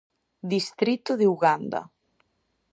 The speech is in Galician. Distrito de Uganda.